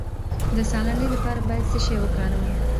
د ساه لنډۍ لپاره باید څه شی وکاروم؟